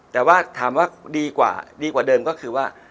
แต่ว่าถามว่าดีกว่าดีกว่าเดิมก็คือว่า